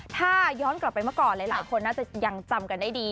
ถ้าย้อนกลับไปเมื่อก่อนหลายคนน่าจะยังจำกันได้ดี